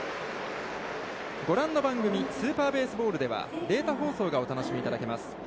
ご覧の番組「スーパーベースボール」では、データ放送がお楽しみいただけます。